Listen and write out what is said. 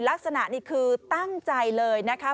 ลักษณะนี่คือตั้งใจเลยนะคะ